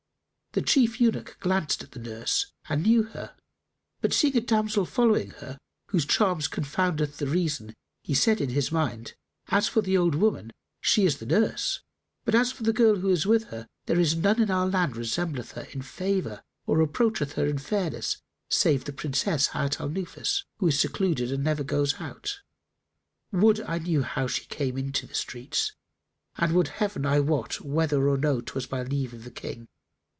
The chief eunuch glanced at the nurse and knew her but, seeing a damsel following her, whose charms confounded the reason, he said in his mind, "As for the old woman, she is the nurse; but as for the girl who is with her there is none in our land resembleth her in favour or approacheth her in fairness save the Princess Hayat al Nufus, who is secluded and never goeth out. Would I knew how she came into the streets and would Heaven I wot whether or no 'twas by leave of the King!"